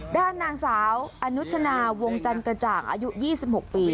ด้านนางสาวอนุชนาวงจันกระจ่างอายุ๒๖ปี